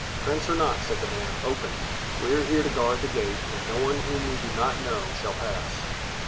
"Prince or not," said the man, "open. We are here to guard the gate, and no one whom we do not know shall pass."